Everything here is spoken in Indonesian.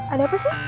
ada apa sih